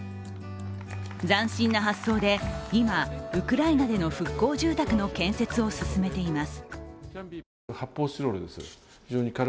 斬新な発想で、今、ウクライナでの復興住宅の建設を進めています。